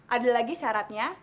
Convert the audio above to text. ada lagi syaratnya